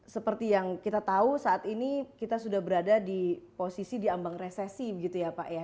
seperti yang kita tahu saat ini kita sudah berada di posisi diambang resesi begitu ya pak ya